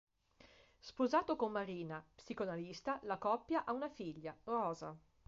Sposato con Marina, psicoanalista, la coppia ha una figlia, Rosa.